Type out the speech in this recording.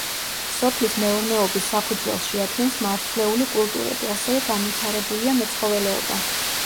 სოფლის მეურნეობის საფუძველს შეადგენს მარცვლეული კულტურები, ასევე განვითარებულია მეცხოველეობა.